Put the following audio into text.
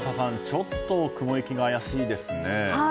ちょっと雲行きが怪しいですね。